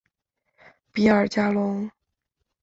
比尔加龙。